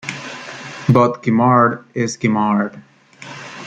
But Guimard is Guimard.